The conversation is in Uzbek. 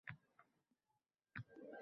Sharpalar sukutin yelkalab borgum…